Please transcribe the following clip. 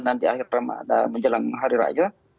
dan di akhir ramadan menjelang hari raya